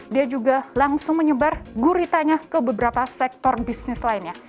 dia juga langsung menyebar guritanya ke beberapa sektor bisnis lainnya